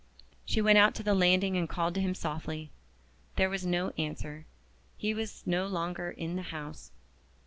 She went out to the landing and called to him softly. There was no answer. He was no longer in the house.